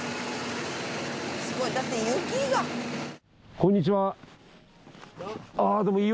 こんにちは。